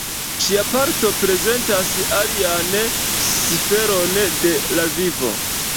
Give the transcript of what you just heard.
Ĉia parto prezentas alian sferon de la vivo.